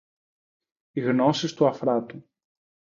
Οι γνώσεις του Αφράτου